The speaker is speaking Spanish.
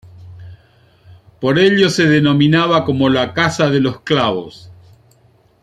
Por ello se denominaba como la Casa de los Clavos.